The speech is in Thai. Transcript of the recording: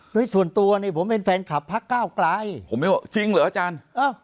โดยส่วนตัวเนี่ยผมเป็นแฟนคลับพระเก้าไกลจริงเหรออาจารย์